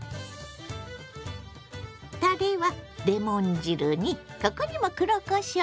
たれはレモン汁にここにも黒こしょう！